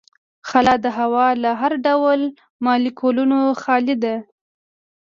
خلا د هوا له هر ډول مالیکولونو خالي ده.